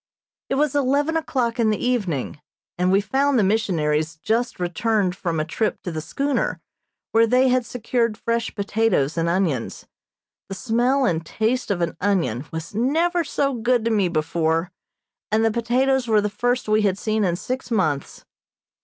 It was eleven o'clock in the evening, and we found the missionaries just returned from a trip to the schooner, where they had secured fresh potatoes and onions. The smell and taste of an onion was never so good to me before, and the potatoes were the first we had seen in six months.